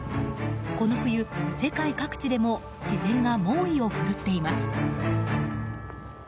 この冬、世界各地でも自然が猛威を振るっています。